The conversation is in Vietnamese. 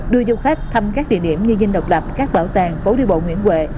đưa du khách thăm các địa điểm như dinh độc lập các bảo tàng phố đi bộ nguyễn huệ